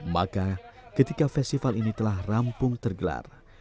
maka ketika festival ini telah rampung tergelar